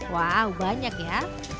wah banyak ya